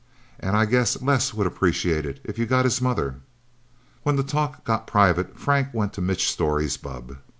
And I guess Les would appreciate it if you got his mother..." When the talk got private, Frank went to Mitch Storey's bubb.